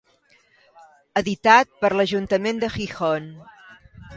Editat per l'Ajuntament de Gijón.